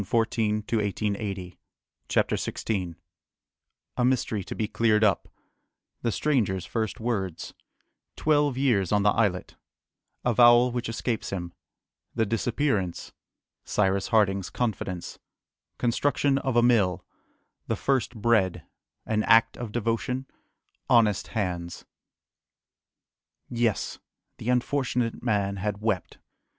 [Illustration: THE EXPERIMENT] CHAPTER XVI A Mystery to be cleared up The Stranger's first Words Twelve Years on the Islet Avowal which escapes him The Disappearance Cyrus Harding's Confidence Construction of a Mill The first Bread An Act of Devotion Honest Hands. Yes! the unfortunate man had wept!